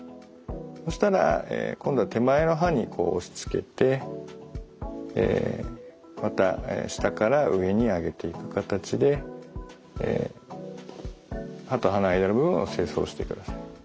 そしたら今度は手前の歯にこう押しつけてまた下から上に上げていく形で歯と歯の間の部分を清掃してください。